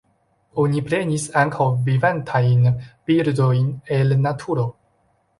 Oni prenis ankaŭ vivantajn birdojn el naturo.